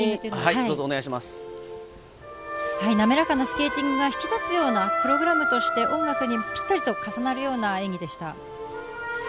滑らかなスケーティングが引き立つようなプログラム、そして音楽にもぴったり重なるような演技でした。